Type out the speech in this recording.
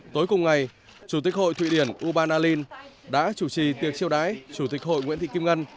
tối cùng ngày chủ tịch hội thụy điển uban alin đã chủ trì tiệc chiêu đái chủ tịch hội nguyễn thị kim ngân